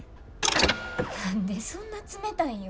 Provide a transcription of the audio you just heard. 何でそんな冷たいんよ。